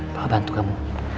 bawa bantu kamu